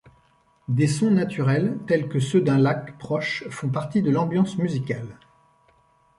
Des sons naturels tels que ceux d'un lac proche font partie de l'ambiance musicale.